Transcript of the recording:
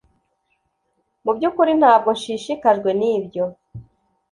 Mu byukuri ntabwo nshishikajwe nibyo